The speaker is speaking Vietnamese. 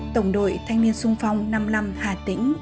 tổng đội thanh niên sung phong năm mươi năm hà tĩnh